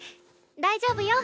大丈夫よ